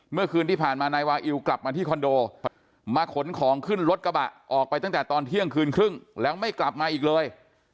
เมื่อคืนที่ผ่านมานายวาอิวกลับมาที่คอนโดมาขนของขึ้นรถกระบะออกไปตั้งแต่ตอนเที่ยงคืนครึ่งแล้วไม่กลับมาอีกเลย